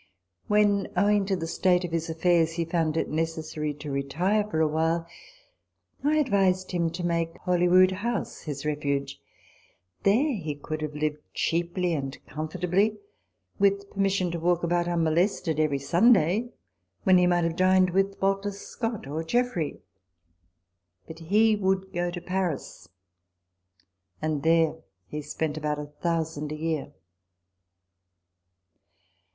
When, owing to the state of his affairs, he found it necessary to retire for a while, I advised him to make Holyrood House his refuge : there he could have lived cheaply and comfortably, with permission to walk about unmolested every Sunday, when he might have dined with Walter Scott or Jeffrey. But he would go to Paris ; and there he spent about a thousand a year.